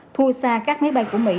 thua xa các máy bay của mỹ